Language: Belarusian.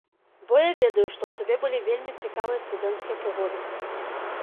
Бо я ведаю, што ў цябе былі вельмі цікавыя студэнцкія прыгоды.